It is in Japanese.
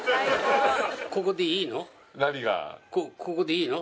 ここでいいの？